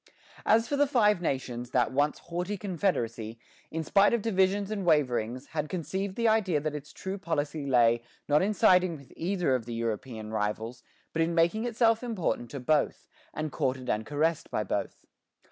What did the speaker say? As for the Five Nations, that once haughty confederacy, in spite of divisions and waverings, had conceived the idea that its true policy lay, not in siding with either of the European rivals, but in making itself important to both, and courted and caressed by both.